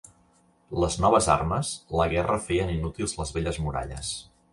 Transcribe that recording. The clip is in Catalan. Les noves armes la guerra feien inútils les velles muralles.